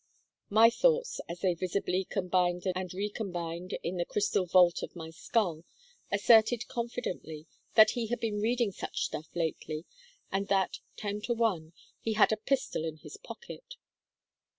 My thoughts, as they visibly combined and recombined in the crystal vault of my skull, asserted confidently that he had been reading such stuff lately, and that, ten to one, he had a pistol in his pocket.